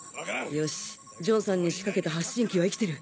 よしジョンさんに仕掛けた発信機は生きてる